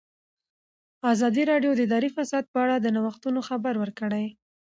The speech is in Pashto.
ازادي راډیو د اداري فساد په اړه د نوښتونو خبر ورکړی.